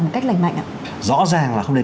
một cách lành mạnh rõ ràng là không nên